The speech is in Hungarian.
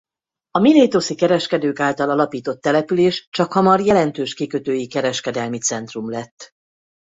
A milétoszi kereskedők által alapított település csakhamar jelentős kikötői kereskedelmi centrum lett.